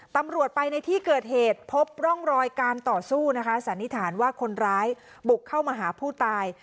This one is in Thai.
ตำรวจไปในที่เกิดเหตุพบร่องรอยการต่อสู้นะคะสันนิษฐานว่าคนร้ายบุกเข้ามาหาผู้ตาย